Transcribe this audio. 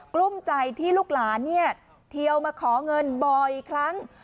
ลุ้มใจที่ลูกหลานเนี่ยเทียวมาขอเงินบ่อยครั้ง